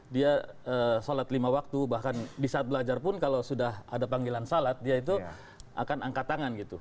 dia sholat lima waktu bahkan di saat belajar pun kalau sudah ada panggilan sholat dia itu akan angkat tangan gitu